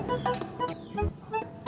itu baru namanya ikhlas